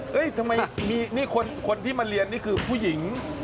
ทำไมนี่คนที่มาเรียนนี่คือผู้หญิง